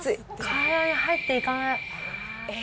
体に入っていかない。